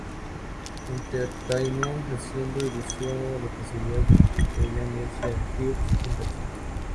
Entertainment, haciendo alusión a la posibilidad de que podría unirse a Girls' Generation.